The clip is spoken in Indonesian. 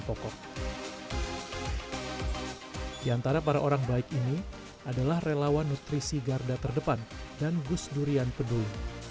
pokok di antara para orang baik ini adalah relawan nutrisi garda terdepan dan gus durian peduli